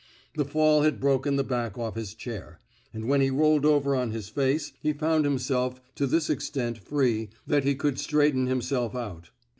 The fall had broken the back off his chair, and when he rolled over on his face, he found himself to this extent free that he could 88 ON CIECUMSTANTIAL EVIDENCE straighten himself out.